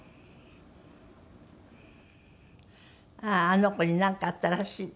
あの子になんかあったらしい